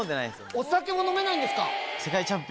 お酒も飲めないんですか。